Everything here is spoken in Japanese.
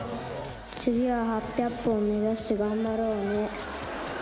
次は８００本目指して頑張ろうね。